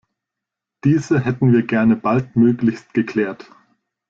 Diese hätten wir gerne baldmöglichst geklärt.